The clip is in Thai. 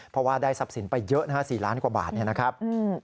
เพราะว่าได้สับสินไปเยอะนะครับ๔ล้านกว่าบาทนะครับ